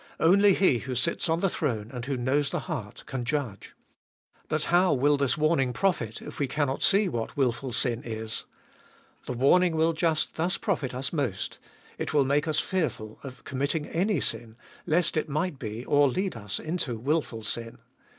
Only He who sits on the throne, and who knows the heart, can judge. But how will this warning profit, if we cannot see what wilful sin is ? The warning will just thus profit us most — it will make us fearful of committing any sin, lest it might be, or lead us into wilful sin.